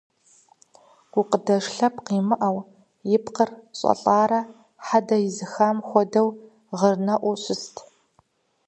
Гукъыдэж лъэпкъ имыӀэу, и пкъыр щӀэлӀарэ хьэдэ изыхам хуэдэу гъырнэӀуу щыст.